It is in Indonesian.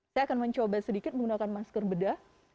saya akan mencoba sedikit menggunakan masker bedah